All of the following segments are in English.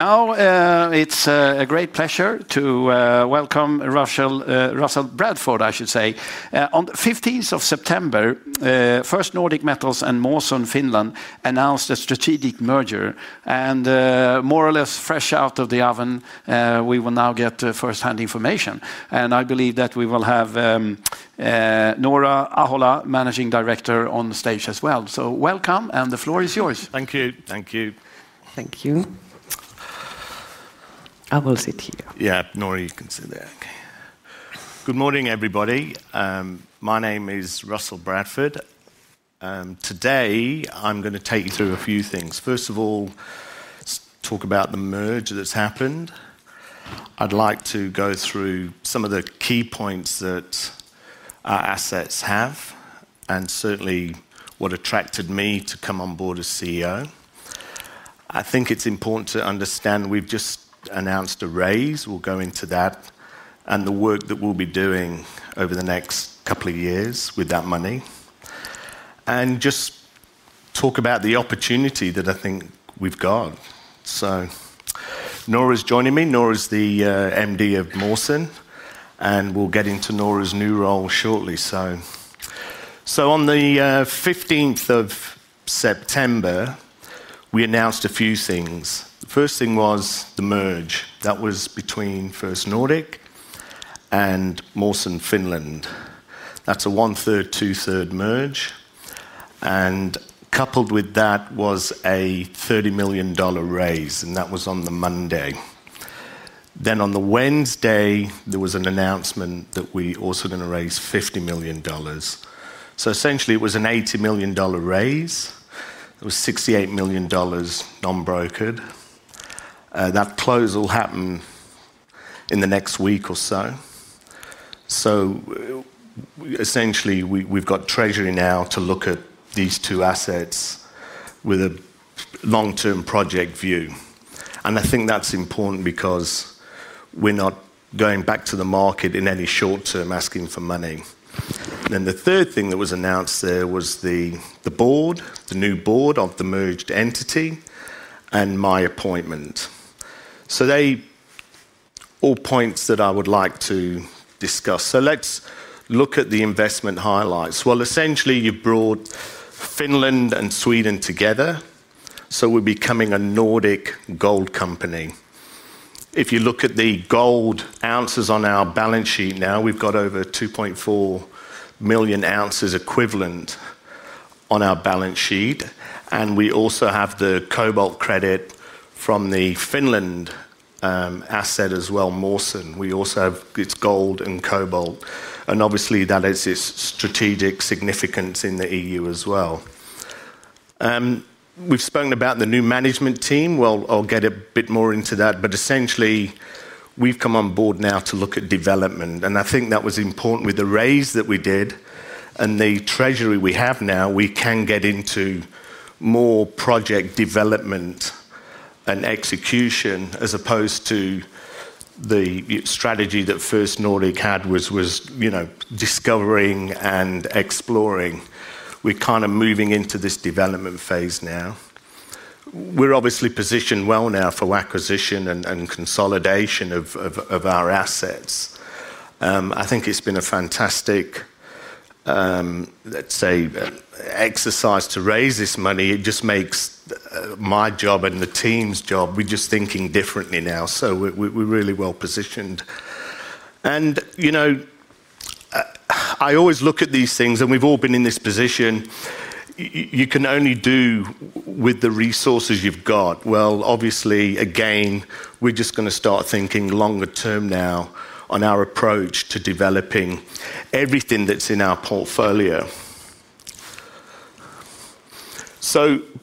Now, it's a great pleasure to welcome Russell Bradford, I should say. On the 15th of September, First Nordic Metals and Mawson Finland announced a strategic merger. More or less fresh out of the oven, we will now get first-hand information. I believe that we will have Noora Ahola, Managing Director, on stage as well. Welcome, and the floor is yours. Thank you, thank you. Thank you. I will sit here. Yeah, Noora, you can sit there. Good morning, everybody. My name is Russell Bradford. Today I'm going to take you through a few things. First of all, talk about the merger that's happened. I'd like to go through some of the key points that our assets have, and certainly what attracted me to come on board as CEO. I think it's important to understand we've just announced a raise. We'll go into that and the work that we'll be doing over the next couple of years with that money. Just talk about the opportunity that I think we've got. Noora is joining me. Noora is the MD of Mawson. We'll get into Noora's new role shortly. On the 15th of September, we announced a few things. The first thing was the merger. That was between First Nordic and Mawson Finland. That's a 1/3, 2/3 merger. Coupled with that was a 30 million dollar raise, and that was on the Monday. On the Wednesday, there was an announcement that we're also going to raise 50 million dollars. Essentially, it was a 80 million dollar raise. It was 68 million dollars non-brokered. That close will happen in the next week or so. Essentially, we've got treasury now to look at these two assets with a long-term project view. I think that's important because we're not going back to the market in any short term asking for money. The third thing that was announced there was the board, the new board of the merged entity, and my appointment. They're all points that I would like to discuss. Let's look at the investment highlights. Essentially, you brought Finland and Sweden together. We're becoming a Nordic gold company. If you look at the gold ounces on our balance sheet now, we've got over 2.4 million oz equivalent on our balance sheet. We also have the cobalt credit from the Finland asset as well, Mawson. We also have its gold and cobalt. Obviously, that has this strategic significance in the EU as well. We've spoken about the new management team. I'll get a bit more into that. Essentially, we've come on board now to look at development. I think that was important with the raise that we did. The treasury we have now, we can get into more project development and execution as opposed to the strategy that First Nordic had, which was discovering and exploring. We're kind of moving into this development phase now. We're obviously positioned well now for acquisition and consolidation of our assets. I think it's been a fantastic exercise to raise this money. It just makes my job and the team's job. We're just thinking differently now. We're really well positioned. You know, I always look at these things, and we've all been in this position. You can only do with the resources you've got. Obviously, again, we're just going to start thinking longer term now on our approach to developing everything that's in our portfolio.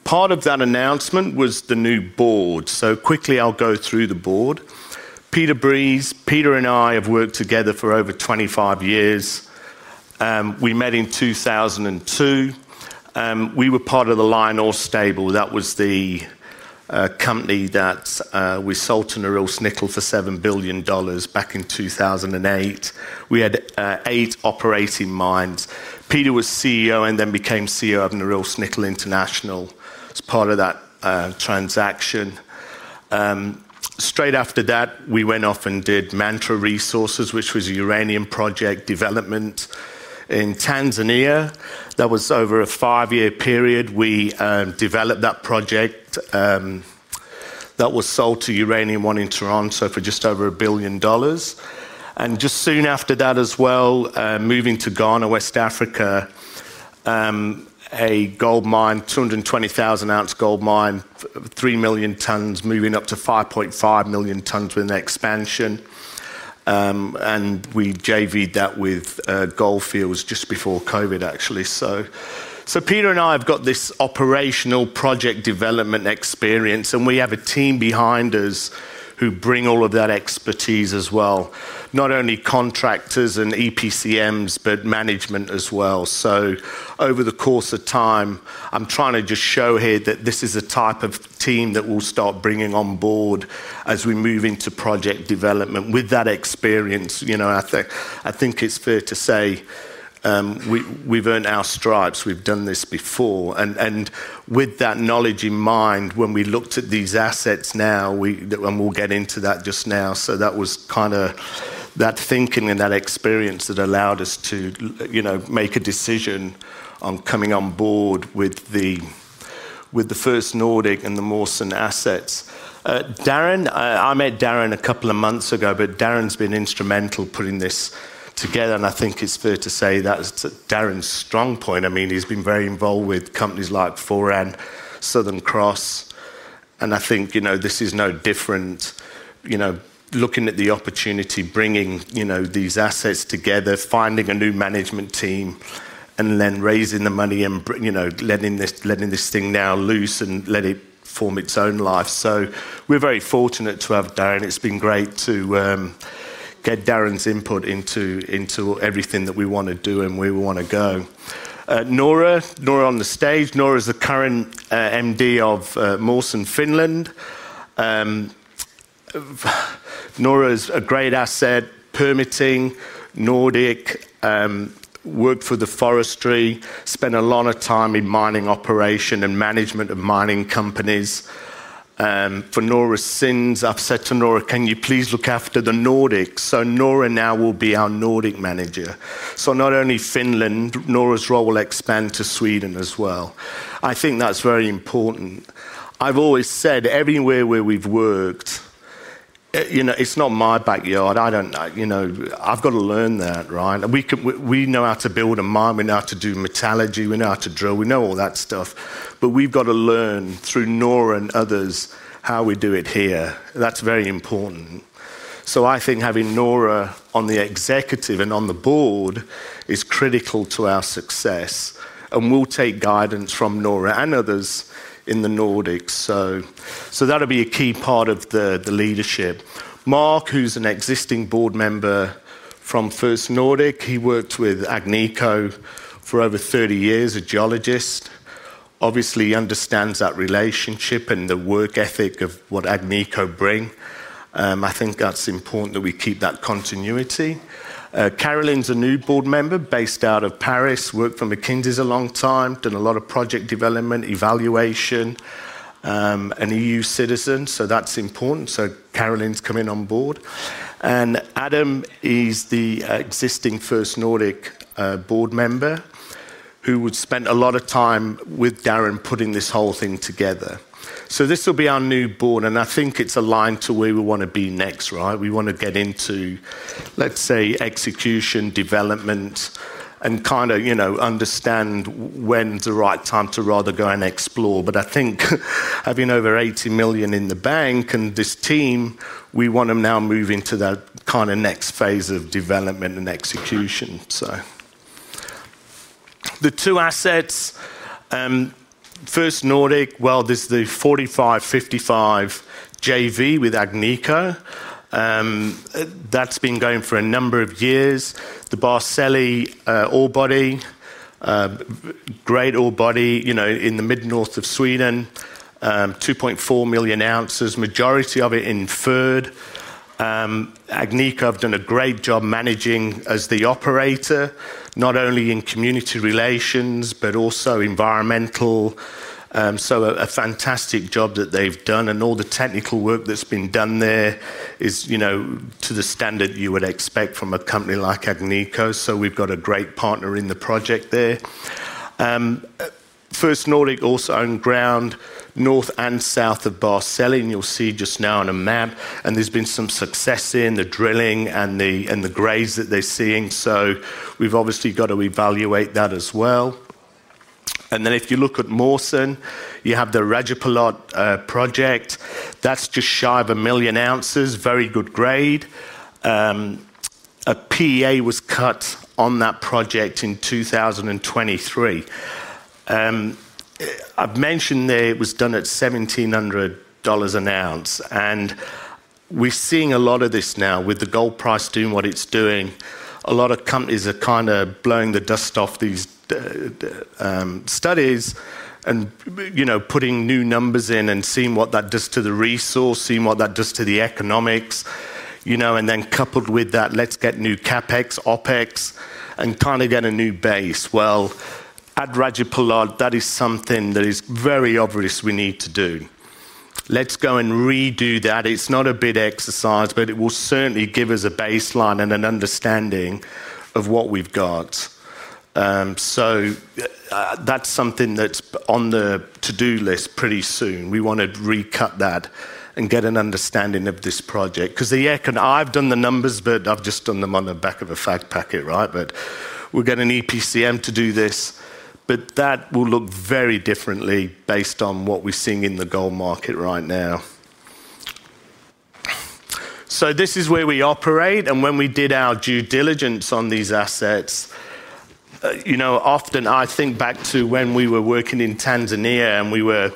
Part of that announcement was the new board. Quickly, I'll go through the board. Peter Breese, Peter and I have worked together for over 25 years. We met in 2002. We were part of the LionOre Stable. That was the company that we sold to Norilsk Nickel for 7 billion dollars back in 2008. We had eight operating mines. Peter was CEO and then became CEO of Norilsk Nickel International as part of that transaction. Straight after that, we went off and did Mantra Resources, which was a uranium project development in Tanzania. That was over a five-year period. We developed that project. That was sold to Uranium One in Toronto for just over [1 billion dollars]. Just soon after that as well, moving to Ghana, West Africa, a gold mine, 220,000 oz gold mine, 3 million tons, moving up to 5.5 million tons within the expansion. We JV'd that with Gold Fields just before COVID, actually. Peter and I have got this operational project development experience. We have a team behind us who bring all of that expertise as well, not only contractors and EPCMs, but management as well. Over the course of time, I'm trying to just show here that this is a type of team that we'll start bringing on board as we move into project development with that experience. I think it's fair to say we've earned our stripes. We've done this before. With that knowledge in mind, when we looked at these assets now, we'll get into that just now. That was kind of that thinking and that experience that allowed us to make a decision on coming on board with the First Nordic and the Mawson assets. Darren, I met Darren a couple of months ago, but Darren's been instrumental putting this together. I think it's fair to say that's Darren's strong point. He's been very involved with companies like Foran, Southern Cross. I think this is no different, looking at the opportunity, bringing these assets together, finding a new management team, and then raising the money and letting this thing now loose and let it form its own life. We're very fortunate to have Darren. It's been great to get Darren's input into everything that we want to do and where we want to go. Noora, Noora on the stage. Noora is the current MD of Mawson Finland. Noora is a great asset, permitting, Nordic, worked for the forestry, spent a lot of time in mining operation and management of mining companies. For Noora's sins, I've said to Noora, can you please look after the Nordics? Noora now will be our Nordic manager. Not only Finland, Noora's role will expand to Sweden as well. I think that's very important. I've always said everywhere where we've worked, you know, it's not my backyard. I don't, you know, I've got to learn that, right? We know how to build a mine. We know how to do metallurgy. We know how to drill. We know all that stuff. We've got to learn through Noora and others how we do it here. That's very important. I think having Noora on the executive and on the board is critical to our success. We'll take guidance from Noora and others in the Nordics. That'll be a key part of the leadership. Marc, who's an existing board member from First Nordic, he worked with Agnico for over 30 years, a geologist. Obviously, he understands that relationship and the work ethic of what Agnico brings. I think that's important that we keep that continuity. Karilyn is a new board member based out of Paris. Worked for McKinsey a long time. Done a lot of project development, evaluation, an EU citizen. That's important. Karilyn's coming on board. Adam is the existing First Nordic board member who would spend a lot of time with Darren putting this whole thing together. This will be our new board. I think it's aligned to where we want to be next, right? We want to get into, let's say, execution, development, and kind of, you know, understand when's the right time to rather go and explore. I think having over 80 million in the bank and this team, we want to now move into that kind of next phase of development and execution. The two assets, First Nordic, there's the 45/55 joint venture with Agnico. That's been going for a number of years. The Barsele ore body, great ore body, you know, in the mid-north of Sweden, 2.4 million oz, majority of it inferred. Agnico have done a great job managing as the operator, not only in community relations, but also environmental. A fantastic job that they've done. All the technical work that's been done there is, you know, to the standard you would expect from a company like Agnico. We've got a great partner in the project there. First Nordic also on ground north and south of Barsele, and you'll see just now on a map. There's been some success in the drilling and the grades that they're seeing. We've obviously got to evaluate that as well. If you look at Mawson, you have the Rajapalot project. That's just shy of 1 million oz, very good grade. A PEA was cut on that project in 2023. I've mentioned that it was done at 1,700 dollars an ounce. We're seeing a lot of this now with the gold price doing what it's doing. A lot of companies are kind of blowing the dust off these studies and, you know, putting new numbers in and seeing what that does to the resource, seeing what that does to the economics, you know, and then coupled with that, let's get new CapEx, OpEx, and kind of get a new base. At Rajapalot, that is something that is very obvious we need to do. Let's go and redo that. It's not a big exercise, but it will certainly give us a baseline and an understanding of what we've got. That's something that's on the to-do list pretty soon. We want to recut that and get an understanding of this project. Because the economy, I've done the numbers, but I've just done them on the back of a fag packet, right? We're getting EPCM to do this. That will look very differently based on what we're seeing in the gold market right now. This is where we operate. When we did our due diligence on these assets, you know, often I think back to when we were working in Tanzania and we were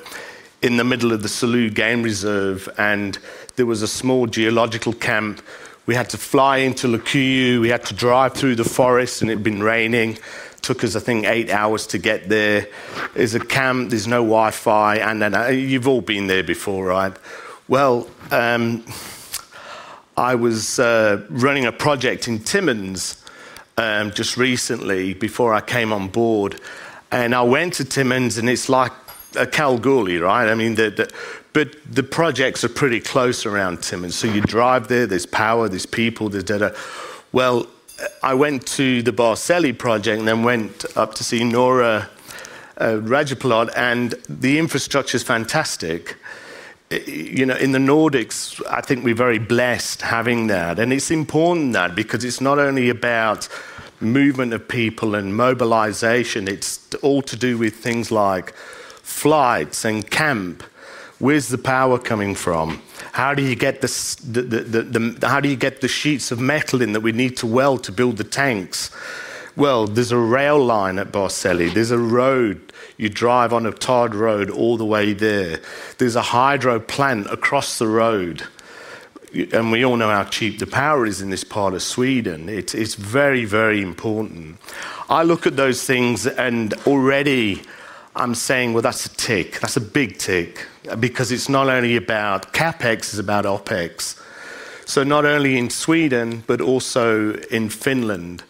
in the middle of the Selous Game Reserve. There was a small geological camp. We had to fly into Likuyu. We had to drive through the forest and it'd been raining. Took us, I think, eight hours to get there. It was a camp. There's no Wi-Fi. You've all been there before, right? I was running a project in Timmins just recently before I came on board. I went to Timmins and it's like a Kalgoorlie, right? I mean, the projects are pretty close around Timmins. You drive there, there's power, there's people, there's data. I went to the Barsele Project and then went up to see Noora, Rajapalot. The infrastructure is fantastic. In the Nordics, I think we're very blessed having that. It's important because it's not only about movement of people and mobilization. It's all to do with things like flights and camp. Where's the power coming from? How do you get the sheets of metal in that we need to weld to build the tanks? There's a rail line at Barsele. There's a road. You drive on a tarred road all the way there. There's a hydro plant across the road. We all know how cheap the power is in this part of Sweden. It's very, very important. I look at those things and already I'm saying, that's a tick. That's a big tick because it's not only about CapEx, it's about OpEx. Not only in Sweden, but also in Finland.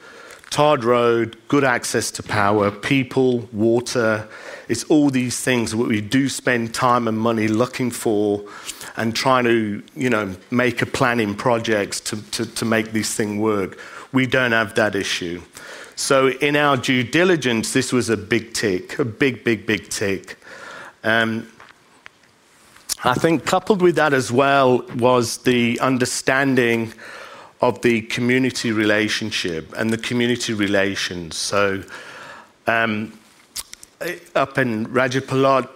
Tarred road, good access to power, people, water. It's all these things that we do spend time and money looking for and trying to make a plan in projects to make this thing work. We don't have that issue. In our due diligence, this was a big tick, a big, big, big tick. I think coupled with that as well was the understanding of the community relationship and the community relations. Up in Rajapalot,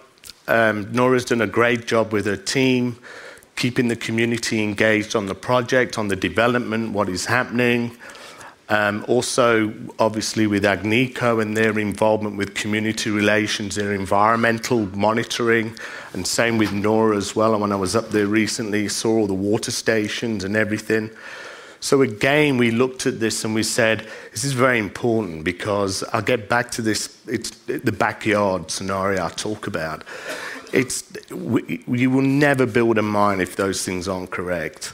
Noora has done a great job with her team, keeping the community engaged on the project, on the development, what is happening. Obviously, with Agnico and their involvement with community relations, their environmental monitoring, and same with Noora as well. When I was up there recently, I saw all the water stations and everything. We looked at this and we said, this is very important because I'll get back to this. It's the backyard scenario I talk about. You will never build a mine if those things aren't correct.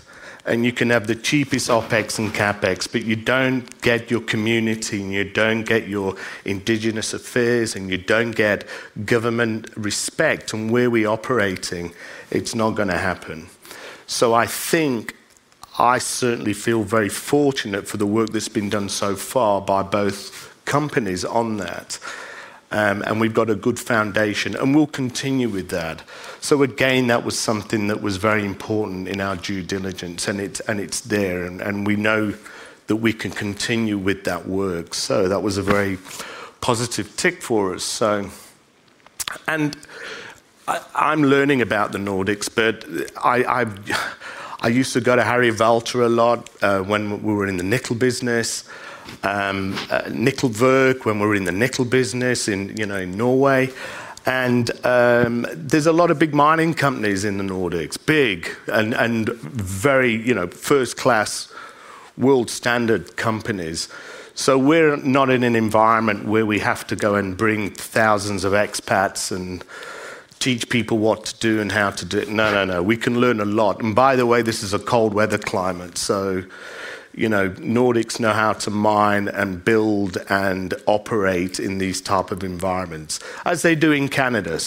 You can have the cheapest OpEx and CapEx, but you don't get your community and you don't get your indigenous affairs and you don't get government respect and where we're operating, it's not going to happen. I certainly feel very fortunate for the work that's been done so far by both companies on that. We've got a good foundation and we'll continue with that. That was something that was very important in our due diligence and it's there and we know that we can continue with that work. That was a very positive tick for us. I'm learning about the Nordics, but I used to go to Harjavalta a lot when we were in the nickel business, Nickel work when we were in the nickel business in Norway. There's a lot of big mining companies in the Nordics, big and very, you know, first-class world standard companies. We're not in an environment where we have to go and bring thousands of expats and teach people what to do and how to do it. No, no, no, we can learn a lot. By the way, this is a cold weather climate. The Nordics know how to mine and build and operate in these types of environments as they do in Canada.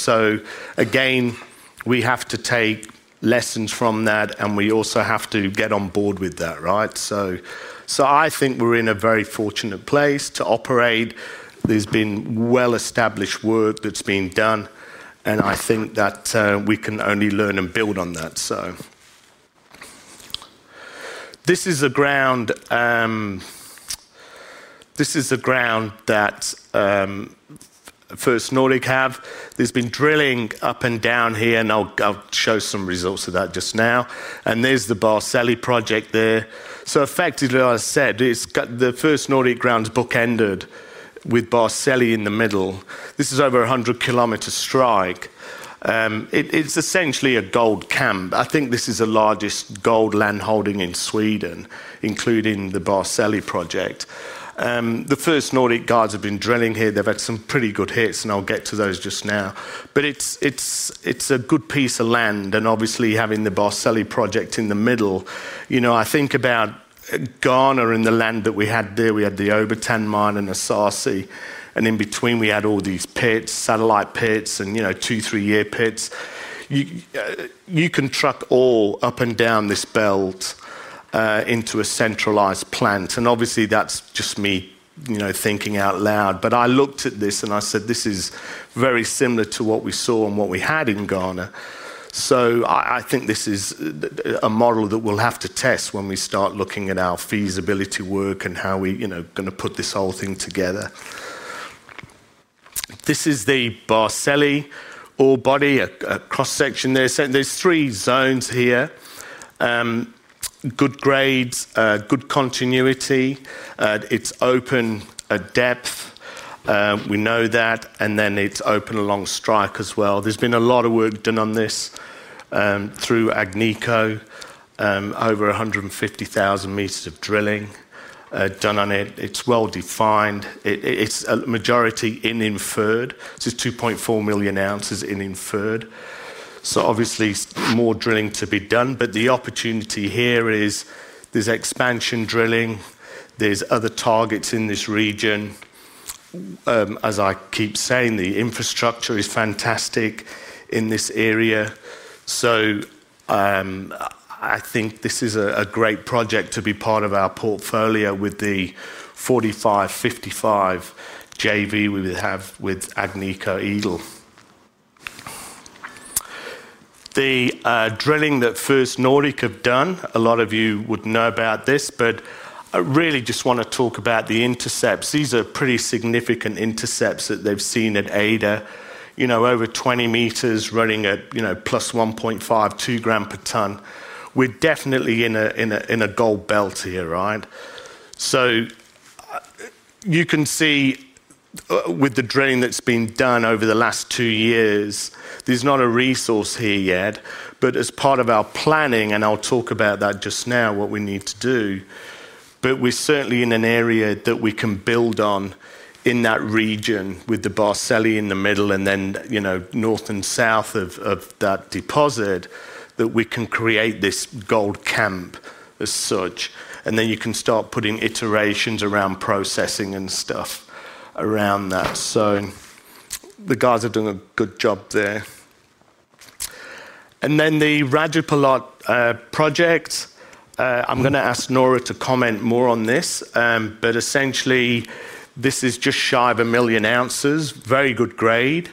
We have to take lessons from that and we also have to get on board with that, right? I think we're in a very fortunate place to operate. There's been well-established work that's been done and I think that we can only learn and build on that. This is a ground that First Nordic have. There's been drilling up and down here and I'll show some results of that just now. There's the Barsele Project there. Effectively, I said, the First Nordic grounds bookended with Barsele in the middle. This is over a 100 km strike. It's essentially a gold camp. I think this is the largest gold landholding in Sweden, including the Barsele Project. The First Nordic guys have been drilling here. They've had some pretty good hits and I'll get to those just now. It's a good piece of land and obviously having the Barsele Project in the middle, I think about Ghana and the land that we had there. We had the Obotan mine and the Sefwi. In between, we had all these pits, satellite pits and, you know, two, three-year pits. You can truck all up and down this belt into a centralized plant. That's just me thinking out loud. I looked at this and I said, this is very similar to what we saw and what we had in Ghana. I think this is a model that we'll have to test when we start looking at our feasibility work and how we are going to put this whole thing together. This is the Barsele ore body, a cross-section there. There's three zones here. Good grades, good continuity. It's open at depth. We know that. It's open along strike as well. There's been a lot of work done on this through Agnico, over 150,000 m of drilling done on it. It's well-defined. It's a majority in inferred. It's 2.4 million oz in inferred. Obviously, more drilling to be done. The opportunity here is there's expansion drilling. There's other targets in this region. As I keep saying, the infrastructure is fantastic in this area. I think this is a great project to be part of our portfolio with the 45/55 JV we would have with Agnico Eagle. The drilling that First Nordic have done, a lot of you would know about this, but I really just want to talk about the intercepts. These are pretty significant intercepts that they've seen at Avan, you know, over 20 m running at, you know, +1.52 g per ton. We're definitely in a gold belt here, right? You can see with the drilling that's been done over the last two years, there's not a resource here yet. As part of our planning, and I'll talk about that just now, what we need to do. We're certainly in an area that we can build on in that region with the Barsele in the middle and then, you know, north and south of that deposit that we can create this gold camp as such. You can start putting iterations around processing and stuff around that. The guys are doing a good job there. The Rajapalot project, I'm going to ask Noora to comment more on this. Essentially, this is just shy of a million ounces, very good grade,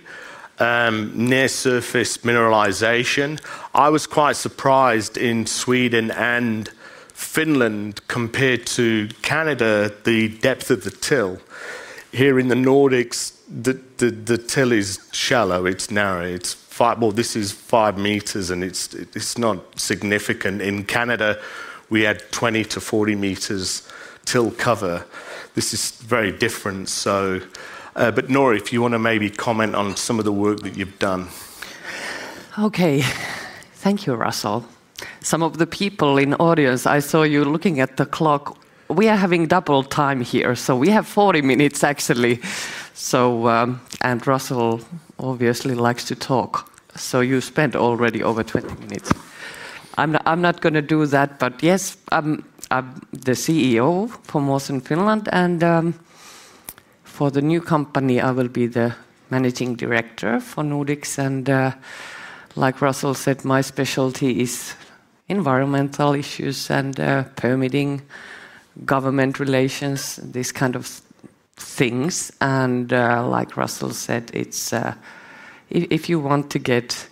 near surface mineralization. I was quite surprised in Sweden and Finland compared to Canada, the depth of the till. Here in the Nordics, the till is shallow. It's narrow. This is 5 m and it's not significant. In Canada, we had 20 m-40 m till cover. This is very different. Noora, if you want to maybe comment on some of the work that you've done. Okay. Thank you, Russell. Some of the people in the audience, I saw you looking at the clock. We are having double time here. We have 40 minutes, actually. Russell obviously likes to talk. You spent already over 20 minutes. I'm not going to do that, but yes, I'm the CEO for Mawson Finland. For the new company, I will be the Managing Director for Nordics. Like Russell said, my specialty is environmental issues and permitting, government relations, these kinds of things. Like Russell said, if you want to get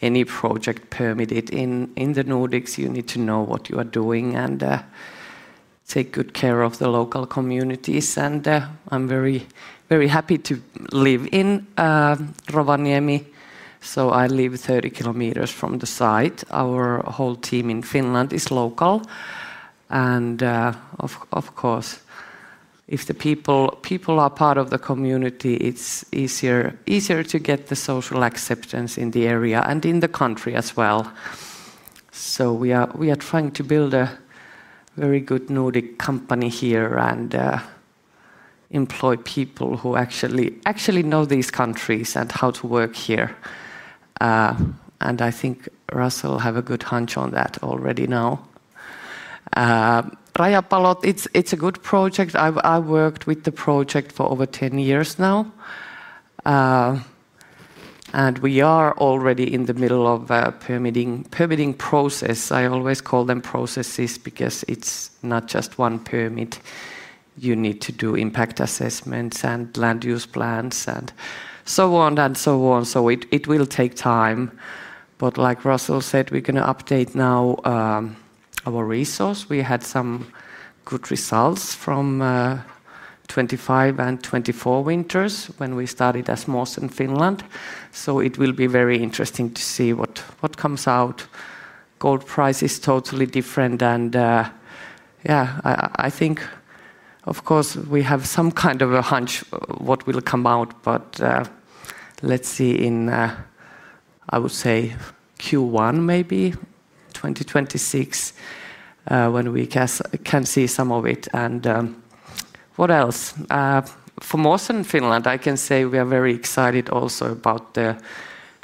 any project permitted in the Nordics, you need to know what you are doing and take good care of the local communities. I'm very, very happy to live in Rovaniemi. I live 30 km from the site. Our whole team in Finland is local. If the people are part of the community, it's easier to get the social acceptance in the area and in the country as well. We are trying to build a very good Nordic company here and employ people who actually know these countries and how to work here. I think Russell has a good hunch on that already now. Rajapalot, it's a good project. I worked with the project for over 10 years now. We are already in the middle of a permitting process. I always call them processes because it's not just one permit. You need to do impact assessments and land use plans and so on and so on. It will take time. Like Russell said, we're going to update now our resource. We had some good results from 2025 and 2024 winters when we started as Mawson Finland. It will be very interesting to see what comes out. Gold price is totally different. I think, of course, we have some kind of a hunch of what will come out. Let's see in, I would say, Q1 maybe 2026 when we can see some of it. For Mawson Finland, I can say we are very excited also about the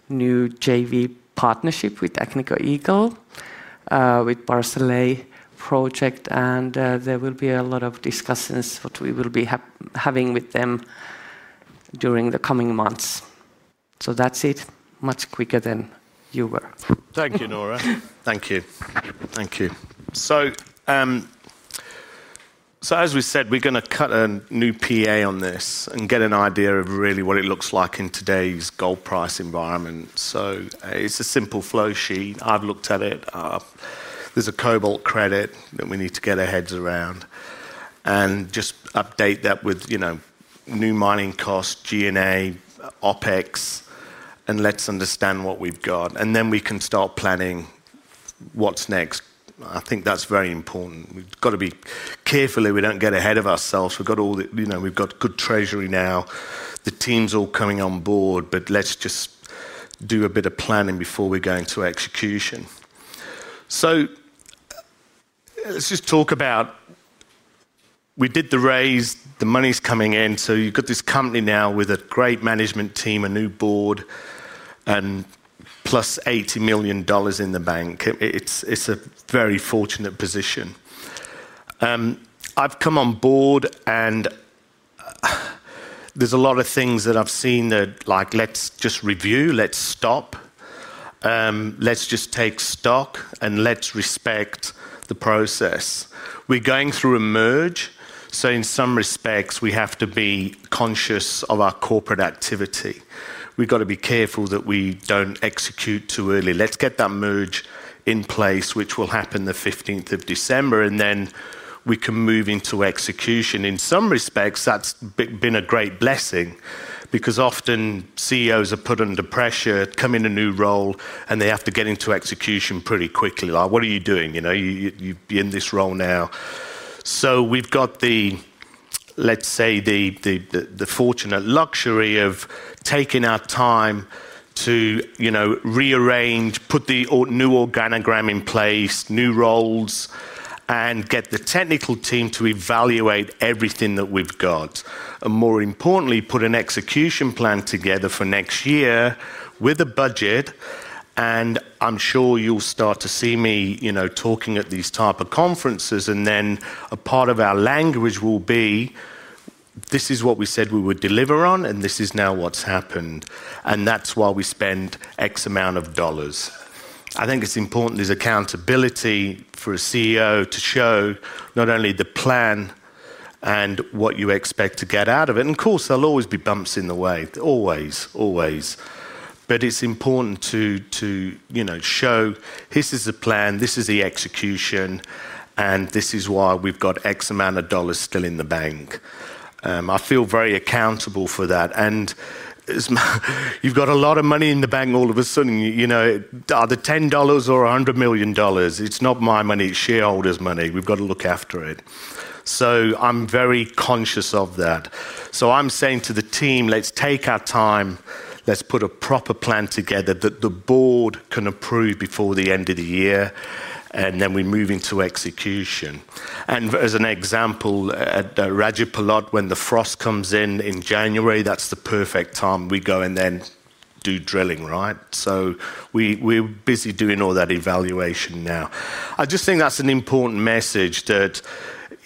new JV partnership with Agnico Eagle with Barsele Project. There will be a lot of discussions that we will be having with them during the coming months. That's it. Much quicker than you were. Thank you, Noora. Thank you. Thank you. As we said, we're going to cut a new PEA on this and get an idea of really what it looks like in today's gold price environment. It's a simple flow sheet. I've looked at it. There's a cobalt credit that we need to get our heads around and just update that with new mining costs, G&A, OpEx, and let's understand what we've got. Then we can start planning what's next. I think that's very important. We've got to be careful that we don't get ahead of ourselves. We've got good treasury now. The team's all coming on board, but let's just do a bit of planning before we go into execution. Let's just talk about we did the raise. The money's coming in. You've got this company now with a great management team, a new board, and +80 million dollars in the bank. It's a very fortunate position. I've come on board and there's a lot of things that I've seen that are like, let's just review, let's stop, let's just take stock, and let's respect the process. We're going through a merge. In some respects, we have to be conscious of our corporate activity. We've got to be careful that we don't execute too early. Let's get that merge in place, which will happen the 15th of December, and then we can move into execution. In some respects, that's been a great blessing because often CEOs are put under pressure, come in a new role, and they have to get into execution pretty quickly. Like, what are you doing? You're in this role now. We've got the, let's say, the fortunate luxury of taking our time to rearrange, put the new organogram in place, new roles, and get the technical team to evaluate everything that we've got. More importantly, put an execution plan together for next year with a budget. I'm sure you'll start to see me talking at these types of conferences. A part of our language will be, this is what we said we would deliver on, and this is now what's happened. That's why we spend X amount of dollars. I think it's important as accountability for a CEO to show not only the plan and what you expect to get out of it. Of course, there'll always be bumps in the way, always, always. It's important to show this is the plan, this is the execution, and this is why we've got X amount of dollars still in the bank. I feel very accountable for that. You've got a lot of money in the bank all of a sudden, you know, are the 10 million dollars or 100 million dollars? It's not my money, it's shareholders' money. We've got to look after it. I'm very conscious of that. I'm saying to the team, let's take our time, let's put a proper plan together that the board can approve before the end of the year, and then we move into execution. As an example, at Rajapalot, when the frost comes in January, that's the perfect time we go and then do drilling, right? We're busy doing all that evaluation now. I just think that's an important message that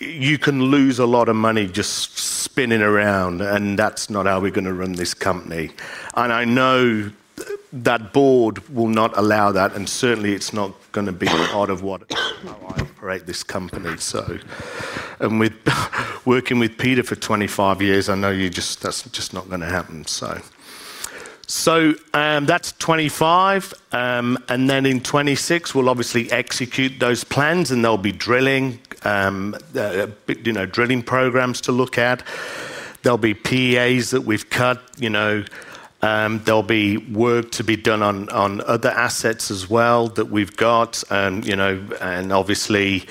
you can lose a lot of money just spinning around, and that's not how we're going to run this company. I know that board will not allow that, and certainly it's not going to be out of what I operate this company. With working with Peter for 25 years, I know that's just not going to happen. That's 2025. In 2026, we'll obviously execute those plans, and there'll be drilling, you know, drilling programs to look at. There'll be PEAs that we've cut, there'll be work to be done on other assets as well that we've got. Obviously,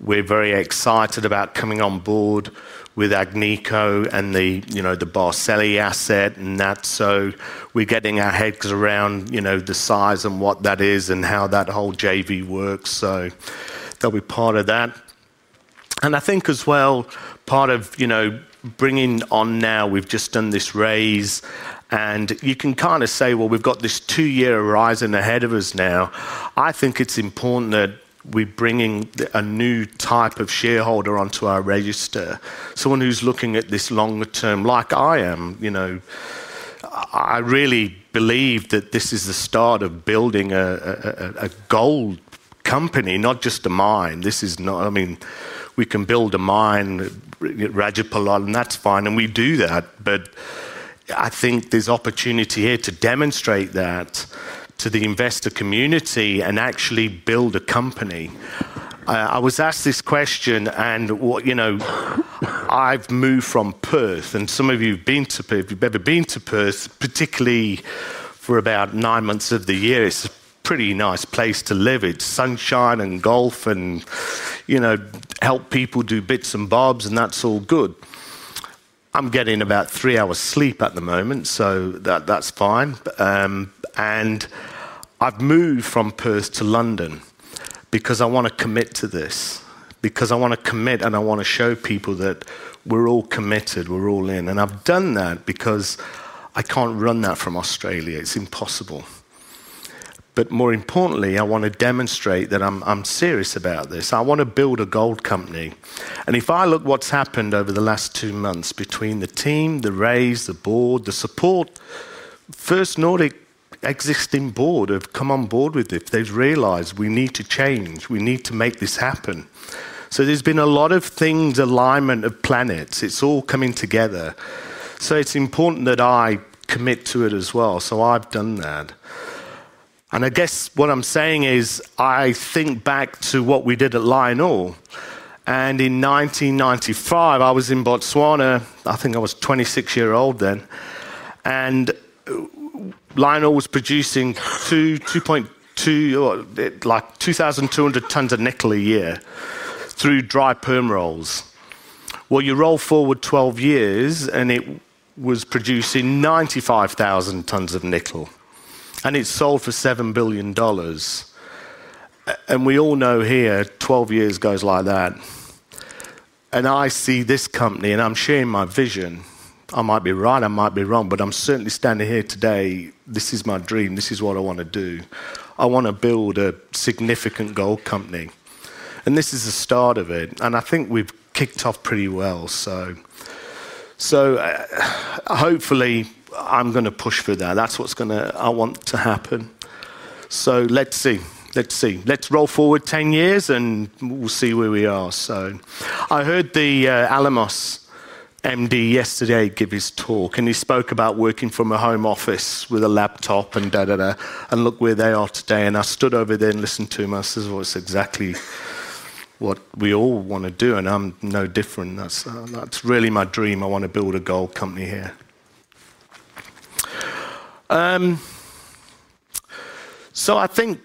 we're very excited about coming on board with Agnico and the Barsele asset and that. We're getting our heads around the size and what that is and how that whole joint venture works. That'll be part of that. I think as well, part of bringing on now, we've just done this capital raise, and you can kind of say, we've got this two-year horizon ahead of us now. I think it's important that we bring in a new type of shareholder onto our register. Someone who's looking at this longer term, like I am. I really believe that this is a start of building a gold company, not just a mine. This is not, I mean, we can build a mine, Rajapalot, and that's fine. We do that. I think there's opportunity here to demonstrate that to the investor community and actually build a company. I was asked this question, and what, you know, I've moved from Perth, and some of you have been to Perth. If you've ever been to Perth, particularly for about nine months of the year, it's a pretty nice place to live. It's sunshine and golf and, you know, help people do bits and bobs, and that's all good. I'm getting about three hours sleep at the moment, so that's fine. I've moved from Perth to London because I want to commit to this, because I want to commit and I want to show people that we're all committed, we're all in. I've done that because I can't run that from Australia. It's impossible. More importantly, I want to demonstrate that I'm serious about this. I want to build a gold company. If I look at what's happened over the last two months between the team, the raise, the board, the support, First Nordic existing board have come on board with this. They've realized we need to change. We need to make this happen. There's been a lot of things, alignment of planets. It's all coming together. It's important that I commit to it as well. I've done that. I guess what I'm saying is I think back to what we did at LionOre. In 1995, I was in Botswana. I think I was 26 years old then. LionOre was producing 2,200 tons of nickel a year through dry perm rolls. You roll forward 12 years, and it was producing 95,000 tons of nickel. It sold for 7 billion dollars. We all know here, 12 years goes like that. I see this company, and I'm sharing my vision. I might be right, I might be wrong, but I'm certainly standing here today. This is my dream. This is what I want to do. I want to build a significant gold company. This is the start of it. I think we've kicked off pretty well. Hopefully, I'm going to push for that. That's what I want to happen. Let's see. Let's roll forward 10 years, and we'll see where we are. I heard the Alamos MD yesterday give his talk, and he spoke about working from a home office with a laptop and da, da, da, and look where they are today. I stood over there and listened to him. I said, it's exactly what we all want to do, and I'm no different. That's really my dream. I want to build a gold company here. I think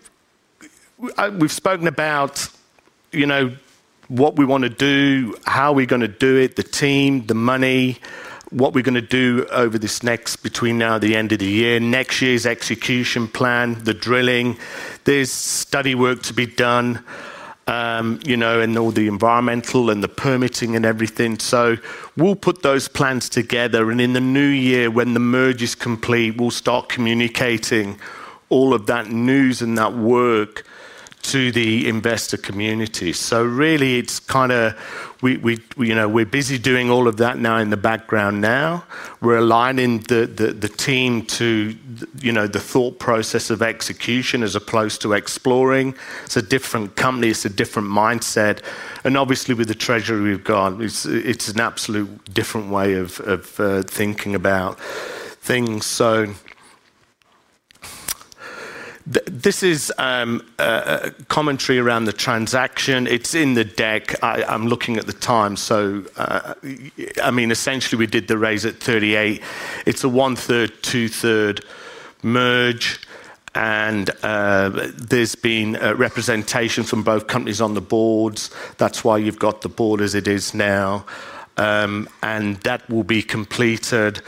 we've spoken about what we want to do, how we're going to do it, the team, the money, what we're going to do over this next, between now and the end of the year. Next year's execution plan, the drilling, there's study work to be done, and all the environmental and the permitting and everything. We'll put those plans together. In the new year, when the merge is complete, we'll start communicating all of that news and that work to the investor community. It's kind of, we, you know, we're busy doing all of that now in the background now. We're aligning the team to, you know, the thought process of execution as opposed to exploring. It's a different company. It's a different mindset. Obviously, with the treasury we've got, it's an absolute different way of thinking about things. This is a commentary around the transaction. It's in the deck. I'm looking at the time. Essentially, we did the raise at 0.38. It's a 1/3, 2/3 merge. There's been representation from both companies on the boards. That's why you've got the board as it is now. That will be completed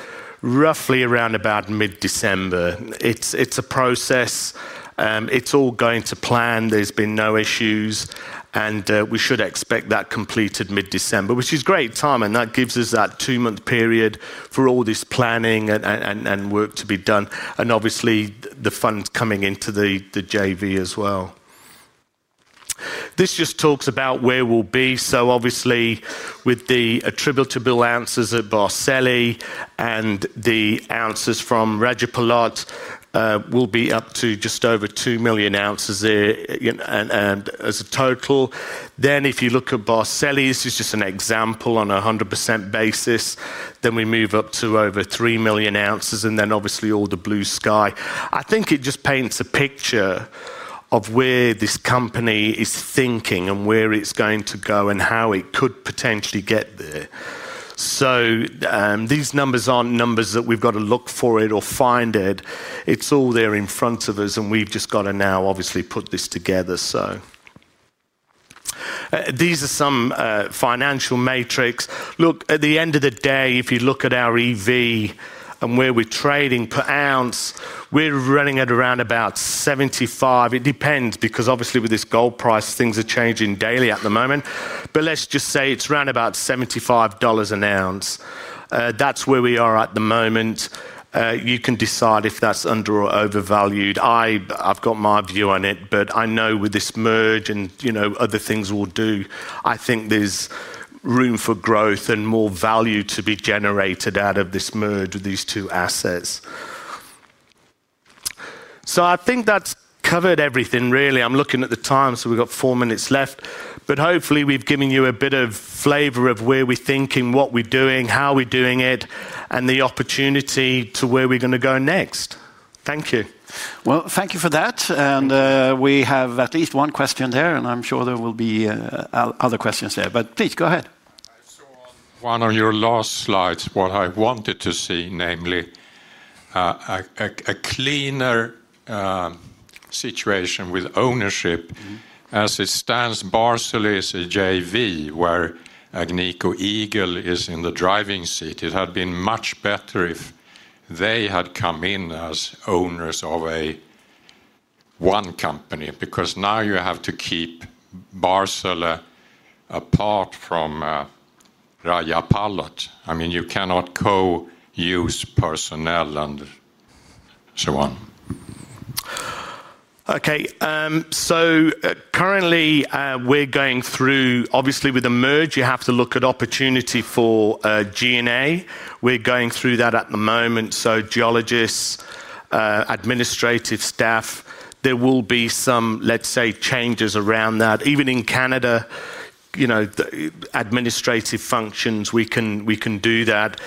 roughly around mid-December. It's a process. It's all going to plan. There's been no issues. We should expect that completed mid-December, which is great timing. That gives us that two-month period for all this planning and work to be done. Obviously, the funds coming into the joint venture as well. This just talks about where we'll be. Obviously, with the attributable ounces at Barsele and the ounces from Rajapalot, we'll be up to just over 2 million oz there. As a total, then if you look at Barsele, this is just an example on a 100% basis, then we move up to over 3 million oz. Obviously, all the blue sky. I think it just paints a picture of where this company is thinking and where it's going to go and how it could potentially get there. These numbers aren't numbers that we've got to look for or find. It's all there in front of us. We've just got to now obviously put this together. These are some financial matrix. Look, at the end of the day, if you look at our EV and where we're trading per ounce, we're running at around $75. It depends because obviously with this gold price, things are changing daily at the moment. Let's just say it's around $75 an ounce. That's where we are at the moment. You can decide if that's under or overvalued. I've got my view on it, but I know with this merge and, you know, other things we'll do, I think there's room for growth and more value to be generated out of this merge with these two assets. I think that's covered everything, really. I'm looking at the time, so we've got four minutes left. Hopefully, we've given you a bit of flavor of where we're thinking, what we're doing, how we're doing it, and the opportunity to where we're going to go next. Thank you. Thank you for that. We have at least one question there, and I'm sure there will be other questions there. Please go ahead. On your last slides, what I wanted to see, namely a cleaner situation with ownership. As it stands, Barsele is a JV where Agnico Eagle is in the driving seat. It had been much better if they had come in as owners of one company because now you have to keep Barsele apart from Rajapalot. I mean, you cannot co-use personnel and so on. Okay. Currently, we're going through, obviously, with the merge, you have to look at opportunity for G&A. We're going through that at the moment. Geologists, administrative staff, there will be some, let's say, changes around that. Even in Canada, the administrative functions, we can do that.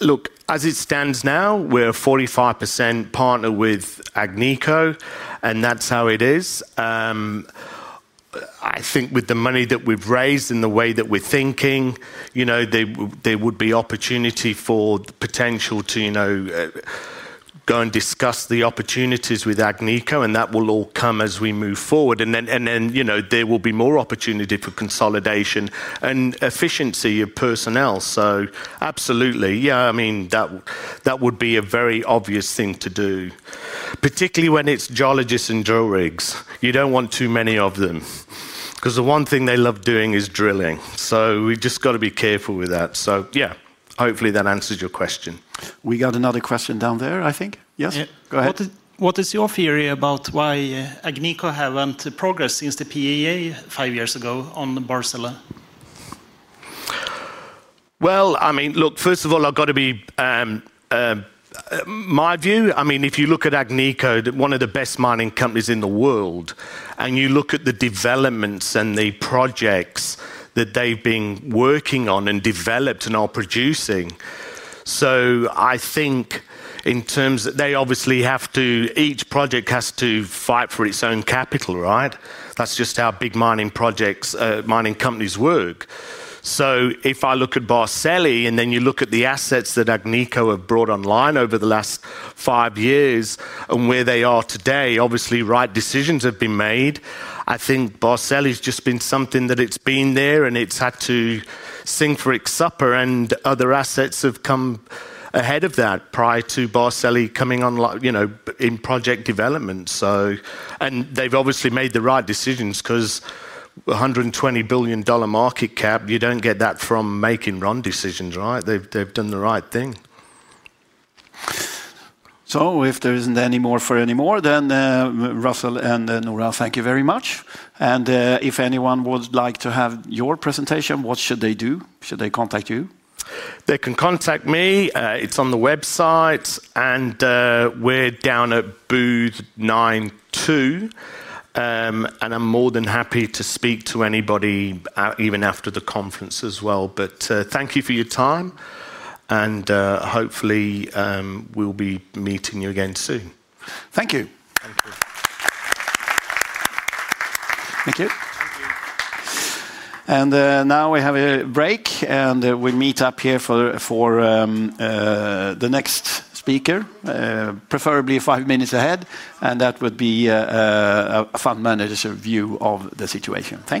Look, as it stands now, we're a 45% partner with Agnico, and that's how it is. I think with the money that we've raised and the way that we're thinking, there would be opportunity for the potential to go and discuss the opportunities with Agnico, and that will all come as we move forward. There will be more opportunity for consolidation and efficiency of personnel. Absolutely, yeah, I mean, that would be a very obvious thing to do, particularly when it's geologists and drill rigs. You don't want too many of them because the one thing they love doing is drilling. We've just got to be careful with that. Hopefully that answers your question. We got another question down there, I think. Yes, go ahead. What is your theory about why Agnico haven't progressed since the PEA five years ago on the Barsele Gold Project? First of all, I've got to be my view. If you look at Agnico, one of the best mining companies in the world, and you look at the developments and the projects that they've been working on and developed and are producing, I think in terms of they obviously have to, each project has to fight for its own capital, right? That's just how big mining companies work. If I look at the Barsele and then you look at the assets that Agnico have brought online over the last five years and where they are today, obviously, right decisions have been made. I think the Barsele has just been something that it's been there and it's had to sing for its supper and other assets have come ahead of that prior to Barsele coming on in project development. They've obviously made the right decisions because 120 billion dollar market cap, you don't get that from making wrong decisions, right? They've done the right thing. If there isn't any more, Russell and Noora, thank you very much. If anyone would like to have your presentation, what should they do? Should they contact you? They can contact me. It's on the website and we're down at booth 92. I'm more than happy to speak to anybody even after the conference as well. Thank you for your time. Hopefully, we'll be meeting you again soon. Thank you. Thank you. We have a break and we meet up here for the next speaker, preferably five minutes ahead. That would be a fund manager's view of the situation. Thank you.